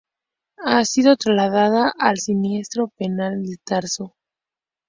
Ha sido trasladada al siniestro penal de Tarso.